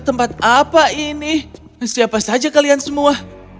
tempat apa ini siapa saja kalian semua